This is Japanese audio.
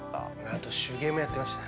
あと手芸もやってました。